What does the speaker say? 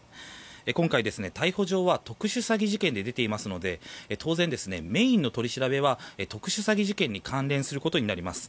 今回、逮捕状は特殊詐欺事件で出ていますので当然、メインの取り調べは特殊詐欺事件に関連することになります。